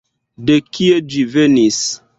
De kie ĝi venis?